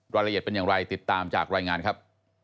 รายละเอียดเป็นอย่างไรติดตามจากรายงานครับ